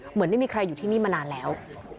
เหมือนไม่มีใครอยู่ที่นี่มานานแล้ว